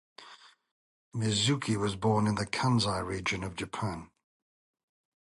Mizuki was born in the Kansai region of Japan.